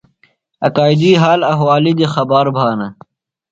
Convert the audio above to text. اکادُئی حال احوالی دی خبار بھانہ۔